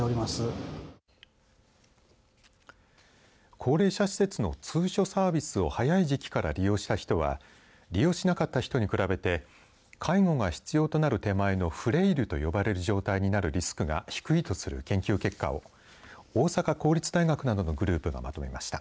高齢者施設の通所サービスを早い時期から利用した人は利用しなかった人に比べて介護が必要となる手前のフレイルと呼ばれる状態になるリスクが低いとする研究結果を大坂公立大学などのグループがまとめました。